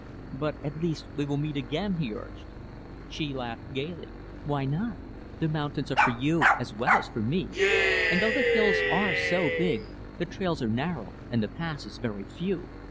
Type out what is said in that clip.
"But at least, we will meet again," he urged. She laughed gaily, "Why not? The mountains are for you as well as for me; and though the hills are so big, the trails are narrow, and the passes very few."